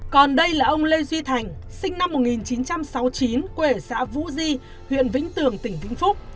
còn đây là ông lê duy thành sinh năm một nghìn chín trăm sáu mươi chín quê ở xã vũ di huyện vĩnh tường tỉnh vĩnh phúc